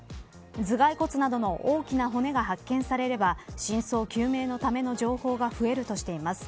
頭蓋骨などの大きな骨が発見されれば真相究明のための情報が増えるとしています。